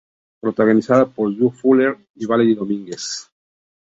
Protagonizada por Drew Fuller y Valerie Domínguez.